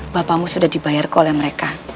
bapakmu sudah dibayarku oleh mereka